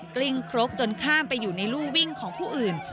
กลิ้งครกจนข้ามไปอยู่ในรูวิ่งของผู้อื่น